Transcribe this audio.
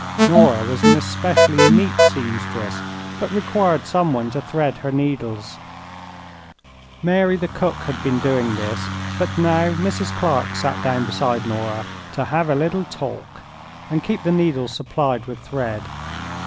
Nora was an especially neat seamstress, but required some one to thread her needles. Mary the cook had been doing this, but now Mrs. Clark sat down beside Nora to "hev a little talk" and keep the needles supplied with thread.